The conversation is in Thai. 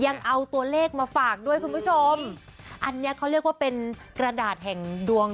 ยังเอาตัวเลขมาฝากด้วยคุณผู้ชมอันเนี้ยเขาเรียกว่าเป็นกระดาษแห่งดวง